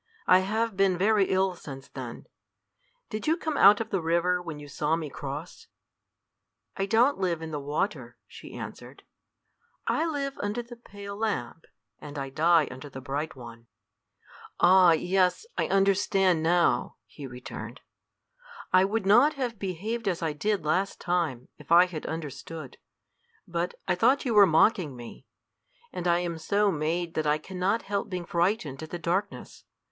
I have been very ill since then. Did you come up out of the river when you saw me cross?" "I don't live in the water," she answered. "I live under the pale lamp, and I die under the bright one." "Ah, yes! I understand now," he returned. "I would not have behaved as I did last time if I had understood; but I thought you were mocking me; and I am so made that I can not help being frightened at the darkness.